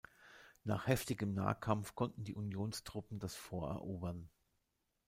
Nach heftigem Nahkampf konnten die Unionstruppen das Fort erobern.